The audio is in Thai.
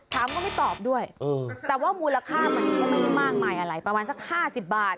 ก็ไม่ตอบด้วยแต่ว่ามูลค่ามันก็ไม่ได้มากมายอะไรประมาณสัก๕๐บาท